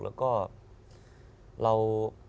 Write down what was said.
แล้วก็เรา